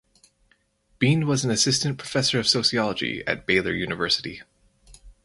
Bean was an assistant professor of sociology at Baylor University.